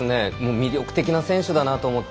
魅力的な選手だなと思って。